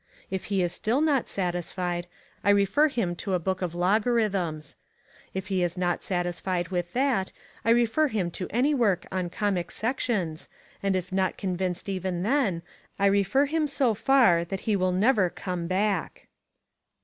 If he is still not satisfied I refer him to a book of Logarithms. If he is not satisfied with that I refer him to any work on conic sections and if not convinced even then I refer him so far that he will never come back.